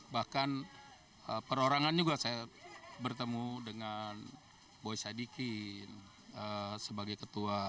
bahkan perorangan juga saya bertemu dengan boy sadikin sebagai ketua